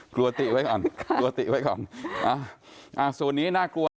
กลัวติไว้ก่อนกลัวติไว้ก่อนอ่าอ่าส่วนนี้น่ากลัว